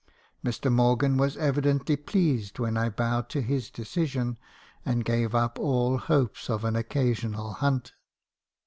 Mr. Morgan was evidently pleased when I bowed to his decision, and gave up all hopes of an occasional hunt.